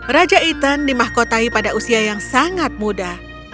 raja itan dimahkotahi pada usia yang sangat muda